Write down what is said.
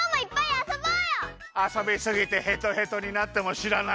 あそびすぎてヘトヘトになってもしらないよ？